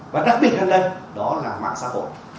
và đặc biệt hơn đây đó là mạng xã hội